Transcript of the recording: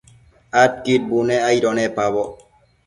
Adquid bunec aido nepaboc